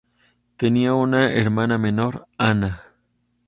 Tenía una hermana menor, Anna.